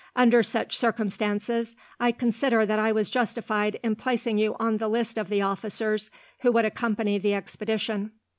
Under such circumstances, I consider that I was justified in placing you on the list of the officers who would accompany the expedition.